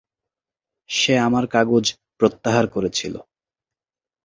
সে আমার কাগজ প্রত্যাহার করেছিল।